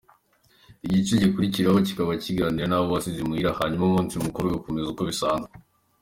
Igice gikurikiraho kikaba kuganira n’abo wasize imuhira hanyuma umunsi mukuru ugakomeza uko bisanzwe.